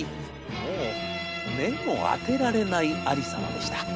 もう目も当てられないありさまでした。